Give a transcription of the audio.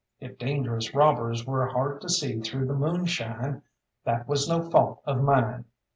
If dangerous robbers were hard to see through the moonshine, that was no fault of mine.